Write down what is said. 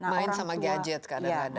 main sama gadget kadang kadang